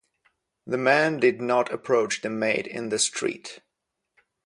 The man did not approach the maid in the street.